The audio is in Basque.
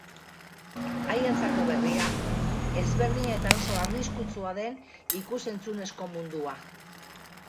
Haientzako berria, ezberdina eta oso arriskutsua den ikus-entzunezko mundua.